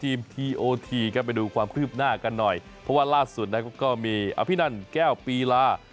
ทีมทีโอทีก็ไปดูความพื้บหน้ากันหน่อยเพราะว่าล่าสุดนะก็มีอภินันต์แก้วปีลา